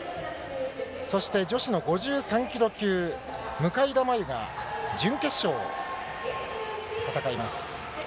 そして女子の５３キロ級、向田真優が準決勝を戦います。